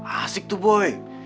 asik tuh boy